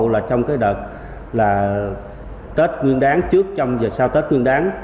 là trong đợt tết nguyên đáng trước trong giờ sau tết nguyên đáng